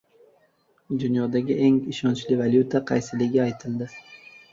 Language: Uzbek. Dunyodagi eng ishonchli valyuta qaysiligi aytildi